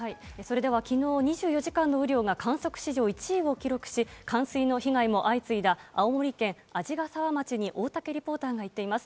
昨日２４時間の雨量が観測史上１位を記録し、冠水の被害も相次いだ青森県鯵ヶ沢町に大竹リポーターが行っています。